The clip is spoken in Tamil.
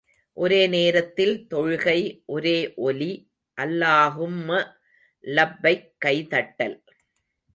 ஒரே நேரத்தில் தொழுகை, ஒரே ஒலி, அல்லாஹும்ம லப்பைக் கை தட்டல்.